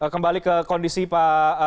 kembali ke kondisi pandemi